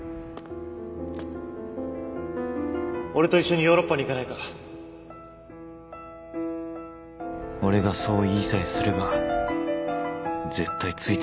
俺と一緒にヨーロッパに行かないか俺がそう言いさえすれば絶対ついてくると思っていたのに